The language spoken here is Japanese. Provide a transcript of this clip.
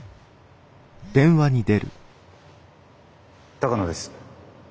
鷹野です。